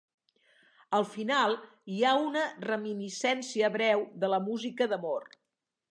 Al final, hi ha una reminiscència breu de la música d'amor.